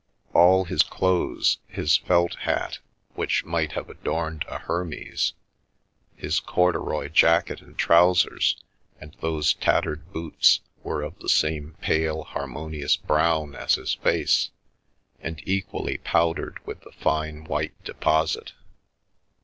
All his clothes, his felt hat, which might have adorned a Hermes, his corduroy jacket and trousers and those tattered boots, were of the same pale harmonious brown as his face, and equally powdered with the fine white deposit.